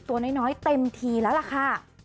ตัวน้อยเต็มทีแล้วล่ะค่ะ